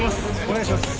お願いします。